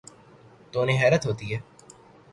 تو انہیں حیرت ہو تی ہے۔